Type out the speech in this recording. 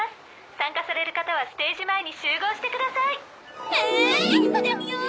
「参加される方はステージ前に集合してください」え行ってみよう！